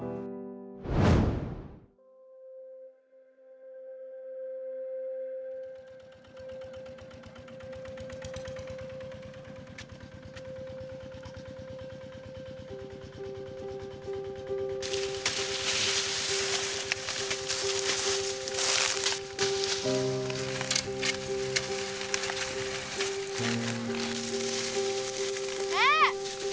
แม่